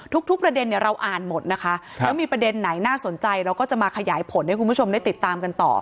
ทุกประเด็นเราอ่านหมดนะคะแล้วมีประเด็นไหนน่าสนใจเราก็จะมาขยายผลให้คุณผู้ชมได้ติดตามกันต่อ